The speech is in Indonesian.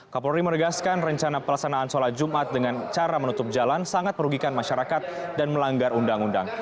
kapolri meregaskan rencana pelaksanaan sholat jumat dengan cara menutup jalan sangat merugikan masyarakat dan melanggar undang undang